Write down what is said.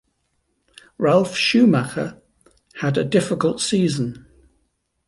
Ralf Schumacher had a difficult season.